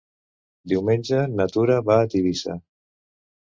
Diumenge na Tura va a Tivissa.